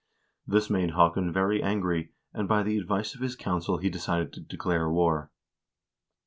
1 This made Haakon very angry, and by the advice of his council he decided to declare war.